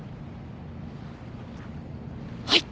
はい。